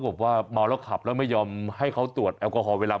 บอกว่าเมาแล้วขับแล้วไม่ยอมให้เขาตรวจแอลกอฮอลเวลา